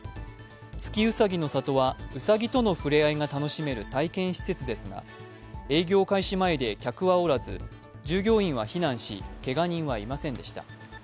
月うさぎの里はうさぎとの触れ合いが楽しめる体験施設ですが営業開始前で客はおらず従業員は避難しけが人はいませんでした。